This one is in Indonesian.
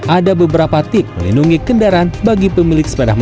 ada beberapa tip melindungi kendaraan bagi pemilik lalai